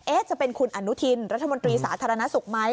จะเป็นคุณอนุทินรัฐมนตรีสาธารณสุขไหม